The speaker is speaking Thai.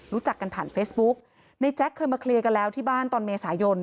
รู้จักกันผ่านเฟซบุ๊กในแจ๊คเคยมาเคลียร์กันแล้วที่บ้านตอนเมษายน